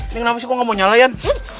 ini kenapa sih gue gak mau nyalain